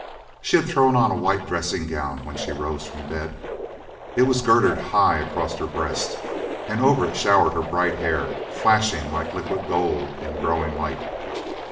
She had thrown on a white dressing gown when she rose from bed. It was girded high across her breast, and over it showered her bright hair, flashing like liquid gold in growing light.